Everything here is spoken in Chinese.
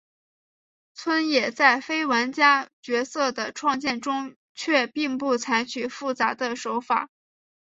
野村在非玩家角色的创建中却并不采用复杂的手法。